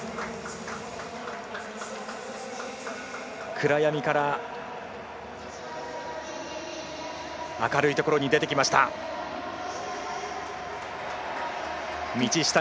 暗闇から明るいところに出てきました。